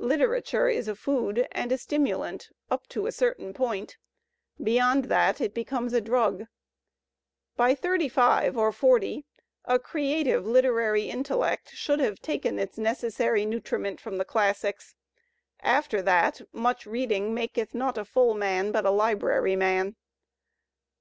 Literature is a food and a stimulant up to a certain point. Beyond that it becomes a drug. By thirty five or forty a creative literary intellect should have taken its necessary nutriment from the classics; after that much reading maketh not a full man, but a library man.